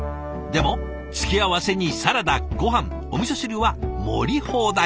でも付け合わせにサラダごはんおみそ汁は盛り放題。